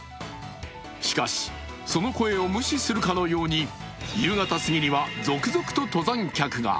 しかしその声を無視するかのように夕方過ぎには続々と登山客が。